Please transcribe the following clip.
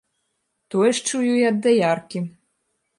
Тое ж чую і ад даяркі.